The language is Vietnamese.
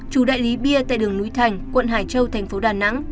chủ đại lý bia tại đường núi thành quận hải châu tp đà nẵng